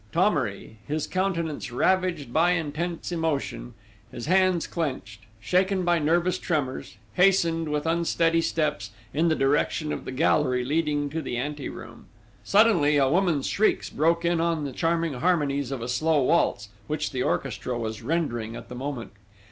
Thomery, his countenance ravaged by intense emotion, his hands clenched, shaken by nervous tremors, hastened, with unsteady steps, in the direction of the gallery leading to the anteroom. Suddenly a woman's shrieks broke in on the charming harmonies of a slow waltz, which the orchestra was rendering at the moment....